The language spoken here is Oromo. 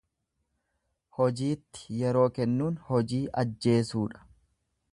Hojiitti yeroo kennuun hojii ajjeesuudha.